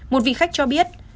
một vị khách cho biết